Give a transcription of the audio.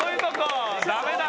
ダメだよ。